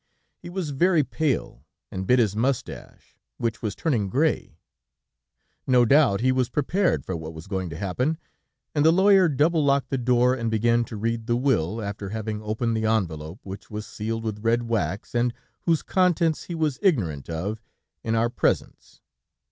He was very pale, and bit his moustache, which was turning gray. No doubt he was prepared for what was going to happen, and the lawyer double locked the door and began to read the will, after having opened the envelope, which was sealed with red wax, and whose contents he was ignorant of, in our presence."